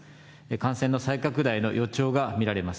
感染の再拡大の予兆が見られます。